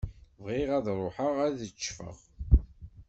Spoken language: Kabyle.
Bɣiɣ ad ṛuḥeɣ ad ccfeɣ.